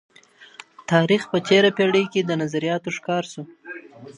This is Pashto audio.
تاریخ په تیره پیړۍ کي د نظریاتو ښکار سو.